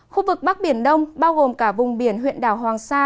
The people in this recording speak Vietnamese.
khu vực bắc biển đông bao gồm cả vùng biển huyện đảo hoàng sa